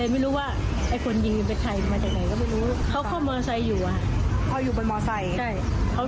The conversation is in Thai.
ก็เห็นคุณชลมูลกันอยู่แล้ว